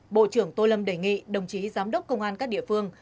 bộ trưởng tô lâm đề nghị đồng chí giám đốc công an các địa phương